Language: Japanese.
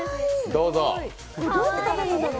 どうやって食べるんだろう？